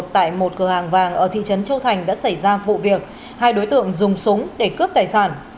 tại một cửa hàng vàng ở thị trấn châu thành đã xảy ra vụ việc hai đối tượng dùng súng để cướp tài sản